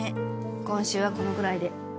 今週はこのぐらいで。